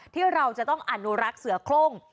ที่เราจะต้องอนุรักษ์เสือโครง